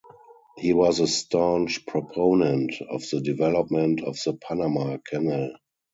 He was a staunch proponent of the development of the Panama Canal.